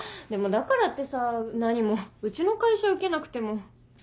でもだからってさ何もうちの会社受けなくても。